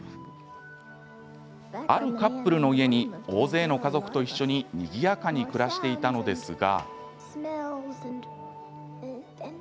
あるカップルの家に大勢の家族と一緒ににぎやかに暮らしていたのですが。